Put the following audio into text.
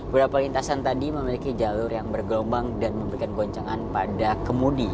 beberapa lintasan tadi memiliki jalur yang bergelombang dan memberikan goncangan pada kemudi